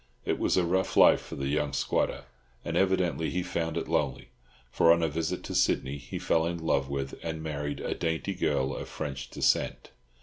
It was a rough life for the young squatter, and evidently he found it lonely; for on a visit to Sydney he fell in love with and married a dainty girl of French descent.